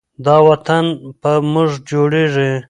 دا وطن په موږ جوړیږي.